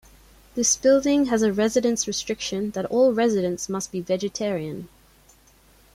This building has a residence restriction that all residents must be vegetarian.